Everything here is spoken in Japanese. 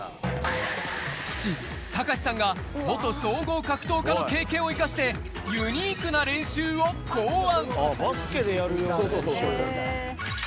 父、隆志さんが、元総合格闘家の経験を生かして、ユニークな練習を考案。